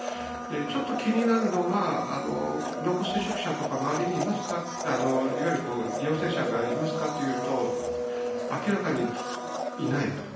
気になるのは、濃厚接触者とか周りにいわゆる陽性者がいますかと聞きますと、明らかにいないと。